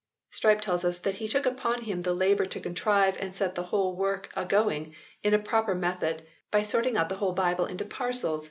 Strype tells us that he " took upon him the labour to contrive and set the whole work agoing in a proper method by sorting out the whole Bible into parcels...